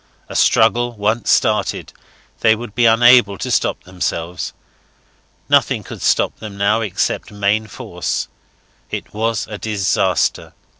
A struggle once started, they would be unable to stop themselves. Nothing could stop them now except main force. It was a disaster.